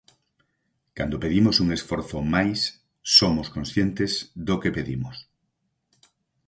Cando pedimos un esforzo máis somos conscientes do que pedimos.